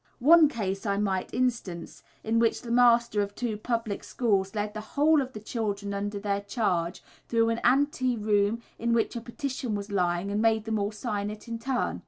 One case I might instance, in which the masters of two public schools led the whole of the children under their charge through an ante room in which a petition was lying, and made them all sign it in turn.